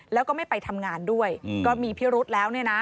แล้วก็ไม่ไปทำงานด้วยก็มีพิรุธแล้ว